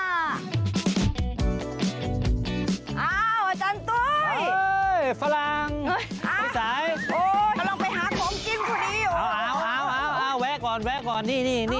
อ้าวอาจารย์ตุ๊ยฝรั่งไอ้สายมาลองไปหาของกินคนนี้อยู่